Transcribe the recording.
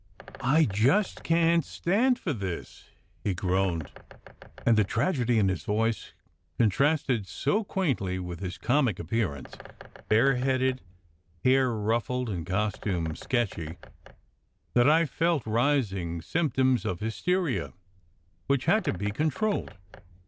I just can t stand for this!" he groaned, and the tragedy in his voice contrasted so quaintly with his comic appearance, bareheaded, hair ruffled, and costume sketchy, that I felt rising symptoms of hysteria, which had to be controlled.